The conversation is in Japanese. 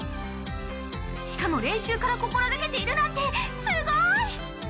しかも練習から心がけているなんてすごい！